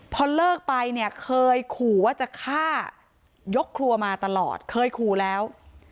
พอเลิกไปเนี่ยเคยขู่ว่าจะฆ่ายกครัวมาตลอดเคยขู่แล้ว